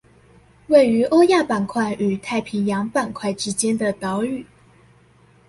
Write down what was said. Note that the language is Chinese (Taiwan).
位於歐亞板塊與太平洋板塊之間的島嶼